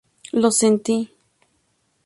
Lo sentí.